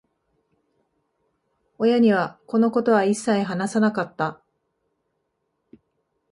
親には、このことは一切話さなかった。